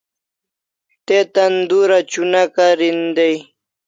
Te tan dura chuna karin day